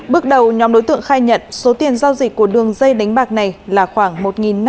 bước đầu nhóm đối tượng khai nhận số tiền giao dịch của đường dây đánh bạc này là khoảng một năm trăm linh